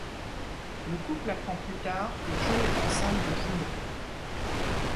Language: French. Le couple apprend plus tard que Jo est enceinte de jumeaux.